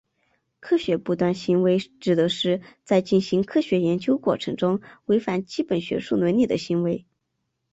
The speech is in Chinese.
科学不端行为指的是在进行科学研究过程中违反基本学术伦理的行为。